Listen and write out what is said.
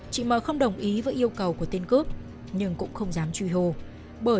chị m không đồng ý với yêu cầu của tên cướp nhưng cũng không dám truy hô